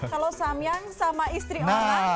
kalau samyang sama istri orang